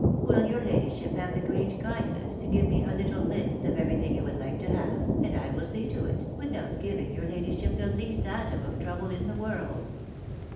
Will your ladyship have the great kindness to give me a little list of everything you would like to have, and I will see to it, without giving your ladyship the least atom of trouble in the world